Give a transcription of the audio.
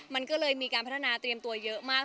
มันก็เลยมีการพัฒนาเตรียมตัวเยอะมาก